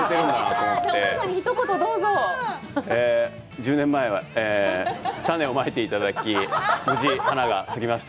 １０年前は種をまいていただき、無事に花が咲きました。